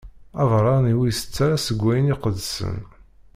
Abeṛṛani ur itett ara seg wayen iqedsen.